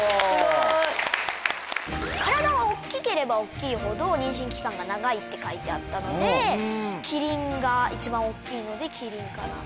体が大っきければ大っきいほど妊娠期間が長いって書いてあったのでキリンが一番大っきいのでキリンかなと。